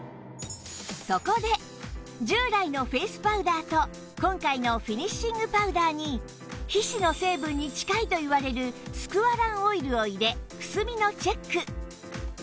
そこで従来のフェースパウダーと今回のフィニッシングパウダーに皮脂の成分に近いといわれるスクワランオイルを入れくすみのチェック